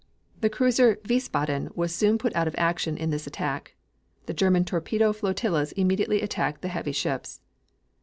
The cruiser Wiesbaden was soon put out of action in this attack. The German torpedo flotillas immediately attacked the heavy ships.